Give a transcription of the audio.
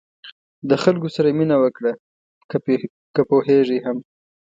د خلکو سره مرسته وکړه که پوهېږئ هم.